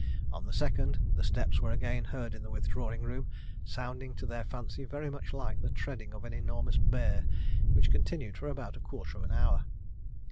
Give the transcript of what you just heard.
On the 2nd the steps were again heard in the withdrawing room, sounding to their fancy very much like the treading of an enormous bear, which continued for about a quarter of an hour.